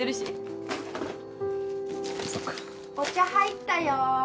・お茶入ったよ。